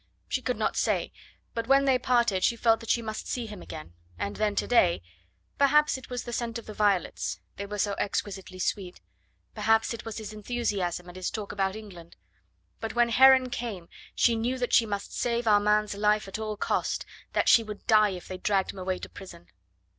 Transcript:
she could not say ... but when they parted she felt that she must see him again... and then today... perhaps it was the scent of the violets... they were so exquisitely sweet... perhaps it was his enthusiasm and his talk about England... but when Heron came she knew that she must save Armand's life at all cost... that she would die if they dragged him away to prison.